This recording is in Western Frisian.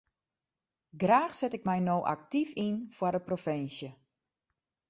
Graach set ik my no aktyf yn foar de provinsje.